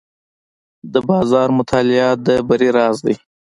د بازار مطالعه د بری راز دی.